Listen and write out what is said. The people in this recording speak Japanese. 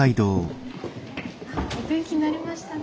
お天気になりましたね今日ね。